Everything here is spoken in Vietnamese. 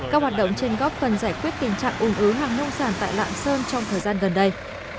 các hoạt động trên góp phần giải quyết tình trạng ủn ứ hàng nông sản tại lạng sơn trong thời gian gần đây